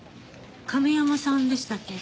亀山さんでしたっけ？